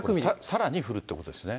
さらに降るっていうことですね。